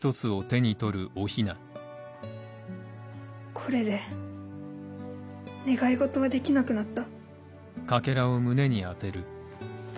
これで願い事はできなくなった。